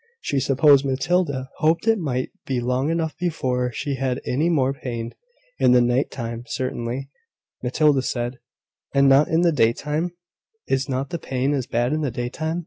She supposed Matilda hoped it might be long enough before she had any more pain. In the night time, certainly, Matilda said. And not in the daytime? Is not pain as bad in the daytime?